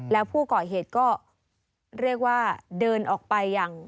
แล้วผู้ก่อเหตุก็เรียกว่าเดินออกไปอย่าง